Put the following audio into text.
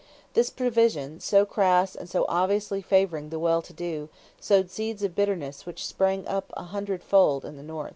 This provision, so crass and so obviously favoring the well to do, sowed seeds of bitterness which sprang up a hundredfold in the North.